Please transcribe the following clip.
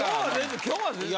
今日は全然。